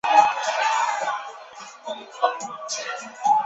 高茎紫堇为罂粟科紫堇属下的一个亚种。